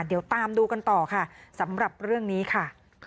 เดี๋ยวตามดูกันต่อค่ะสำหรับเรื่องนี้ค่ะ